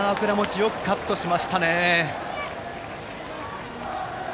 今、よくカットしましたね。